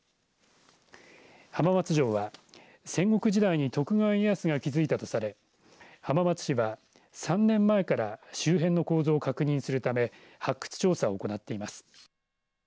浜松城は戦国時代に徳川家康が築いたとされ浜松市は、３年前から周辺の構造を確認するため発掘調査を行っています。